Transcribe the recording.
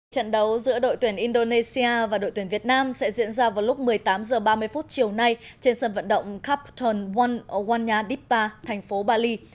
trận đấu giữa đội tuyển indonesia và đội tuyển việt nam sẽ diễn ra vào lúc một mươi tám h ba mươi chiều nay trên sân vận động captain wonyadipa thành phố bali